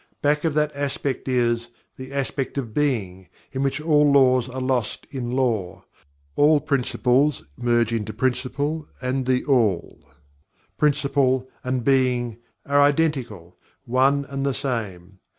Back of that Aspect is "The Aspect of BEING" in which all Laws are lost in LAW; all Principles merge into PRINCIPLE and THE ALL; PRINCIPLE; and BEING; are IDENTICAL, ONE AND THE SAME.